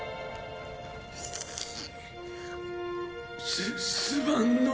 すすまんの。